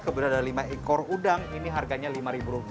kemudian ada lima ekor udang ini harganya lima ribu rupiah